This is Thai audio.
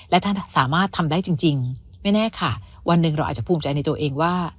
และถ้าสามารถทำได้จริงไม่แน่ค่ะวันหนึ่งเราอาจจะภูมิใจในตัวเองว่า